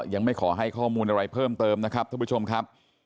ยังไม่ขอให้ข้อมูลอะไรเพิ่มเติมนะครับท่านผู้ชมครับ